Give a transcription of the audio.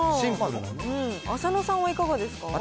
浅野さんはいかがですか。